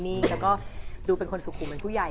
นี่แล้วก็ดูเป็นคนสุขุมเหมือนผู้ใหญ่